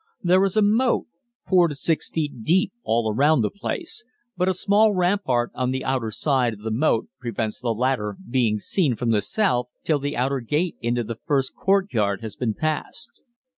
There is a moat 4 to 6 feet deep all around the place, but a small rampart on the outer side of the moat prevents the latter being seen from the south till the outer gate into the first courtyard has been passed.